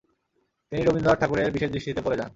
তিনি রবীন্দ্রনাথ ঠাকুরের বিশেষ দৃষ্টিতে পড়ে যান।